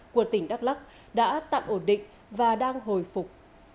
của tỉnh đắk lắc đã tạm ổn định và đang hồi phục